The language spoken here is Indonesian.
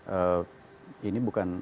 eh ini bukan